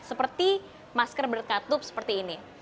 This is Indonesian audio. seperti masker berkatup seperti ini